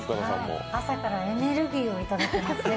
朝からエネルギーをいただけますね